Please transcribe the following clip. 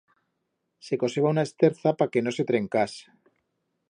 Se coseba una esterza pa que no se trencás.